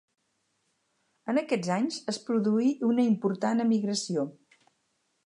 En aquests anys es produí una important emigració.